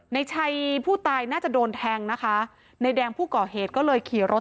ในชัยผู้ตายน่าจะโดนแทงนะคะในแดงผู้ก่อเหตุก็เลยขี่รถ